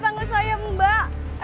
pembaluk siapa ya silly